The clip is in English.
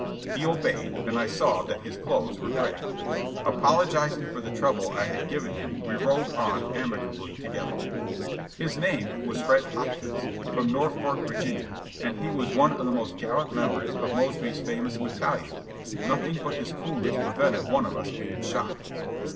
He obeyed, and I saw that his clothes were gray. Apologizing for the trouble I had given him we rode on amicably together. His name was Fred Hopkins, from Norfolk, Virginia, and he was one of the most gallant members of Mosby's famous bat talion ; nothing but his coolness prevented one of us being shot.